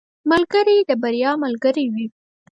ملګری د بریا ملګری وي.